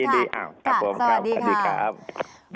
ภารกิจสรรค์ภารกิจสรรค์